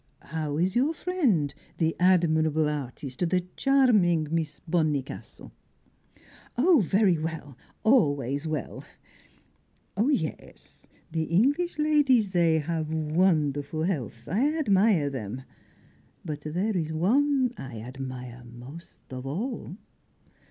How is your friend, the admirable artist, the charming Miss Bonnicastle?" "Oh, very well, always well." "Yes, the English ladies they have wonderful health I admire them; but there is one I admire most of all."